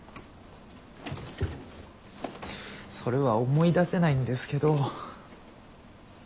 それは思い出せないんですけど。